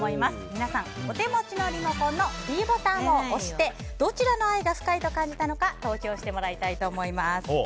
皆さん、お手持ちのリモコンのｄボタンを押してどちらの愛が深いと感じたのか投票してもらいたいと思います。